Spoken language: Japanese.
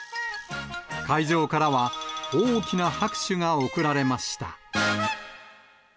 会場からは大きな拍手が送られました。